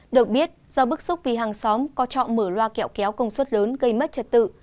được biết do bức xúc vì hàng xóm có trọ mở loa kẹo kéo công suất lớn gây mất trật tự